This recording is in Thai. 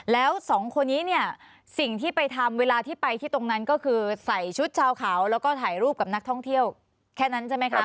แล้วสองคนนี้เนี่ยสิ่งที่ไปทำเวลาที่ไปที่ตรงนั้นก็คือใส่ชุดชาวเขาแล้วก็ถ่ายรูปกับนักท่องเที่ยวแค่นั้นใช่ไหมคะ